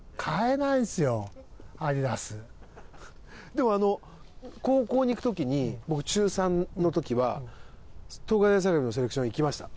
でも高校に行く時に僕中３の時は東海大相模のセレクション行きました。